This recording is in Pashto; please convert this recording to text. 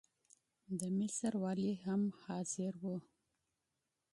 د مصر والي هم حاضر وو.